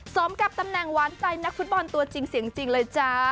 ซ้อมกับตำแหน่งว้านใจนักฟุตบอลตัวจริงจริงเลยจ๊ะ